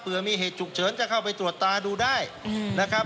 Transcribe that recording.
เพื่อมีเหตุฉุกเฉินจะเข้าไปตรวจตาดูได้นะครับ